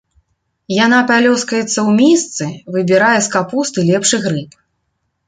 Яна пялёскаецца ў місцы, выбірае з капусты лепшы грыб.